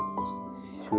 tapi saya tetap bersyukur